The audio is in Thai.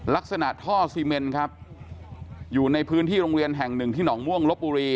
ลักษณะท่อซีเมนครับอยู่ในพื้นที่โรงเรียนแห่งหนึ่งที่หนองม่วงลบบุรี